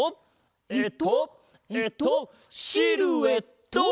えっとえっとシルエット！